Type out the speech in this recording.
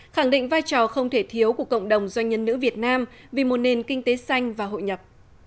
khẳng định vai trò không thể thiếu của cộng đồng doanh nhân nữ việt nam vì một nền kinh tế xanh và hội nhập